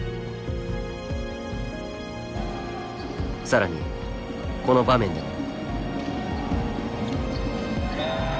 更にこの場面でも。